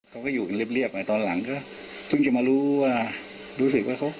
เขาก็อยู่กันเรียบไงตอนหลังก็เพิ่งจะมารู้ว่ารู้สึกว่าเขา